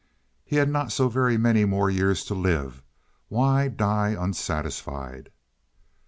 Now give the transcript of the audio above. He had not so very many more years to live. Why die unsatisfied?